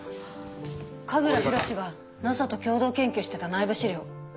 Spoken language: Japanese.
神楽博がＮＡＳＡと共同研究してた内部資料。